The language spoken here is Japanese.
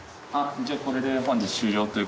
じゃあこれで本日終了ということで。